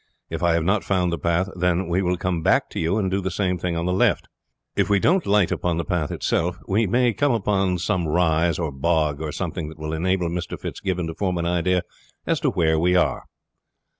If I have not found the path then we will come back to you and do the same thing on the left. If we don't light upon the path itself we may come upon some rise or bog or something that will enable Mr. Fitzgibbon to form an idea as to where we are."